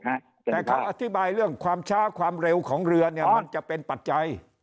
แต่เขาอธิบายเรื่องความช้าความเร็วของเรือเนี่ยมันจะเป็นปัจจัย